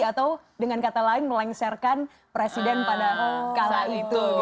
atau dengan kata lain melengsarkan presiden pada kala itu